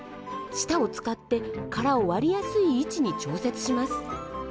舌を使って殻を割りやすい位置に調節します。